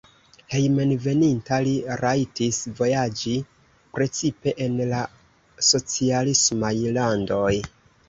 Hejmenveninta li rajtis vojaĝi precipe en la socialismaj landoj.